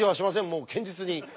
もう堅実に。